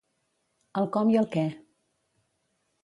El com i el què.